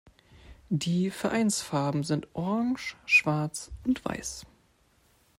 Die Vereinsfarben sind orange, schwarz und weiß.